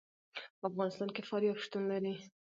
په افغانستان کې فاریاب شتون لري.